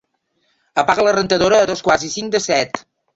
Apaga la rentadora a dos quarts i cinc de set.